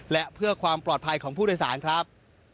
และเพื่อความปลอดภัยของผู้โดยสารครับ